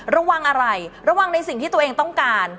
ระวังอะไรระวังในสิ่งที่ตัวเองต้องการ